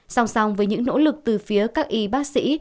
song song với những nỗ lực từ phía các y bác sĩ